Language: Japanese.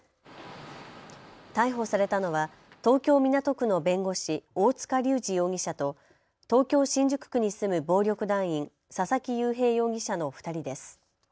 逮捕されたのは東京港区の弁護士、大塚隆治容疑者と東京新宿区に住む暴力団員、佐々木裕平容疑者の２人です。